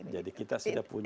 jadi kita sudah punya